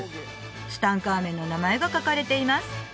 ツタンカーメンの名前がかかれています